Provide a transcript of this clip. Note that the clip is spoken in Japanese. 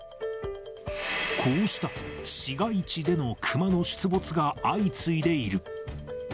こうした市街地でのクマの出没が相次いでいる。